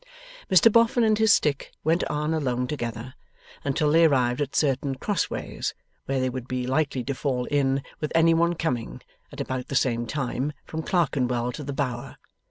Mr Boffin and his stick went on alone together, until they arrived at certain cross ways where they would be likely to fall in with any one coming, at about the same time, from Clerkenwell to the Bower.